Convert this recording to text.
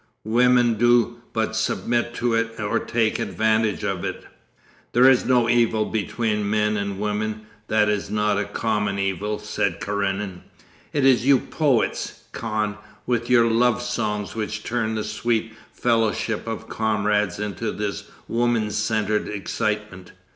Women do but submit to it or take advantage of it.' 'There is no evil between men and women that is not a common evil,' said Karenin. 'It is you poets, Kahn, with your love songs which turn the sweet fellowship of comrades into this woman centred excitement.